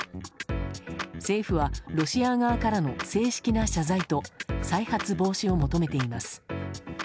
政府はロシア側からの正式な謝罪と再発防止を求めています。